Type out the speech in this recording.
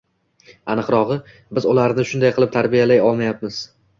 Aniqrog`i, biz ularni shunday qilib tarbiyalay olmayapmiz